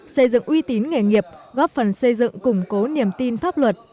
xây dựng uy tín nghề nghiệp góp phần xây dựng củng cố niềm tin pháp luật